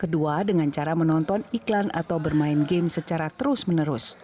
kedua dengan cara menonton iklan atau bermain game secara terus menerus